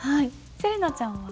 せれなちゃんは？